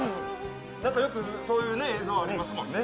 よくそういう映像ありますもんね。